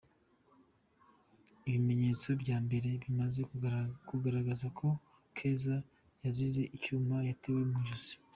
Ibimenyetso bya mbere, bimaze kugaragaza ko Keza yazize icyuma yatewe mu ijosi.